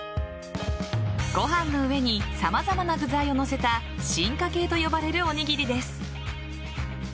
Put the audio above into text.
ご飯の上に様々な具材を載せた進化系と呼ばれるおにぎりです。